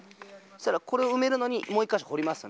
そしたらこれを埋めるのにもう一カ所掘ります